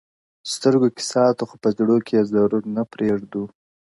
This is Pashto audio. سترگو كې ساتو خو په زړو كي يې ضرور نه پرېږدو.